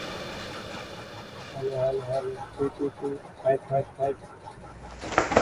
প্রাথমিকভাবে এই ধারণাকে এলজিবিটি বা অ-বিসমকামী ব্যক্তি বলে উল্লেখ করা হতো।